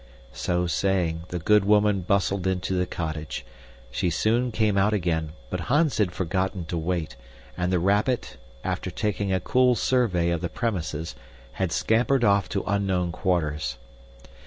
So saying, the good woman bustled into the cottage. She soon came out again, but Hans had forgotten to wait, and the rabbit, after taking a cool survey of the premises, had scampered off to unknown quarters.